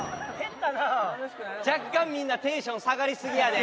若干みんなテンション下がりすぎやで。